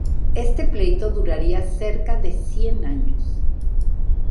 Este pleito duraría cerca de cien años.